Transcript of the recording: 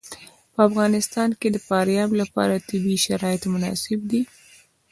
په افغانستان کې د فاریاب لپاره طبیعي شرایط مناسب دي.